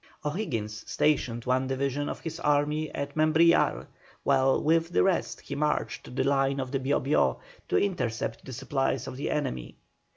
O'Higgins stationed one division of his army at Membrillar, while with the rest he marched to the line of the Bio Bio to intercept the supplies of the enemy.